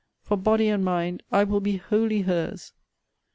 for, body and mind, I will be wholly her's.